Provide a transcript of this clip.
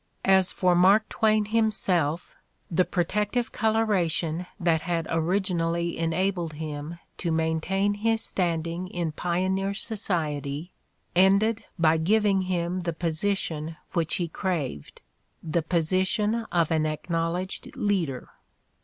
As for Mark Twain himself, the protec tive coloration that had originally enabled him to, maintain his standing in pioneer society ended by giv ing him the position which he craved, the position of an acknowledged leader.